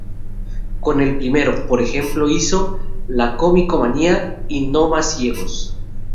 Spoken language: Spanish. Con el primero, por ejemplo, hizo "La cómico-manía" y "¡No más ciegos!